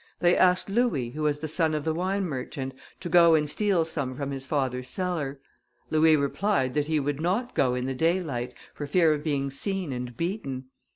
They asked Louis, who was the son of the wine merchant, to go and steal some from his father's cellar. Louis replied that he would not go in the daylight, for fear of being seen, and beaten.